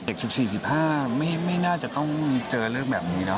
เด็ก๑๔๑๕ไม่น่าจะต้องเจอเลิกแบบนี้